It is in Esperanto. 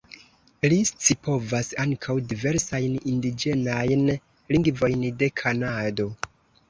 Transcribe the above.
Li scipovas ankaŭ diversajn indiĝenajn lingvojn de Kanado.